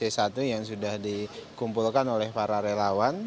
satu yang sudah dikumpulkan oleh para relawan